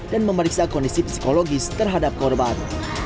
dan memeriksa kondisi psikologis terhadap korban